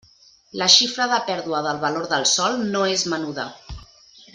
La xifra de pèrdua del valor del sòl no és menuda.